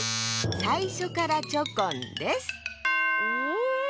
さいしょからチョコンです。え？